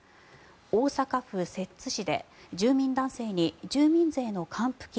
大阪府摂津市で住民男性に住民税の還付金